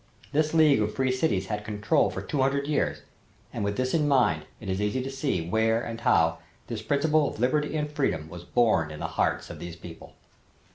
This league of free cities had control for two hundred years, and with this in mind it is easy to see where and how this principle of liberty and freedom was born in the hearts of these people.